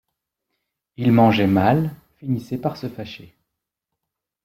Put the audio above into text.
Il mangeait mal, finissait par se fâcher.